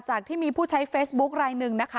จากที่มีผู้ใช้เฟซบุ๊คอะไรนึงนะคะ